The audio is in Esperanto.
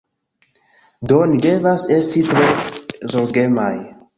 Do, ni devas esti tre zorgemaj